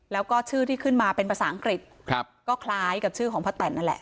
แล้วก็ชื่อที่ขึ้นมาเป็นภาษาอังกฤษครับก็คล้ายกับชื่อของป้าแตนนั่นแหละ